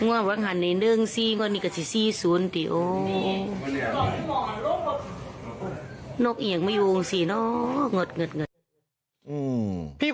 อะไรมาอยู่หน้า